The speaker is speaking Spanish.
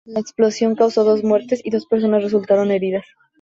La explosión causó dos muertes y dos personas resultaron heridas.